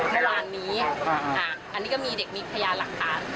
เมื่อวานนี้อันนี้ก็มีเด็กมีพยานหลักฐาน